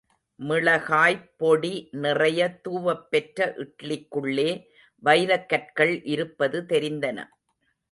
மிளகாய்ப்பொடி நிறைய தூவப்பெற்ற இட்லிக்குள்ளே வைரக்கற்கள் இருப்பது தெரிந்தன.